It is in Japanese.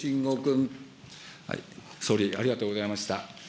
総理、ありがとうございました。